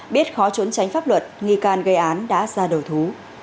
biết khó trốn tránh pháp luật nghi can gây án đã ra đầu thú